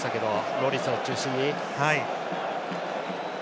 ロリスを中心に。